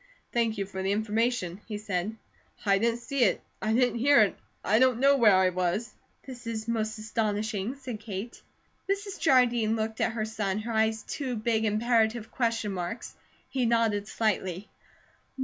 "Thank you for the information," he said. "I didn't see it, I didn't hear it, I don't know where I was." "This is most astonishing," said Kate. Mrs. Jardine looked at her son, her eyes two big imperative question marks. He nodded slightly.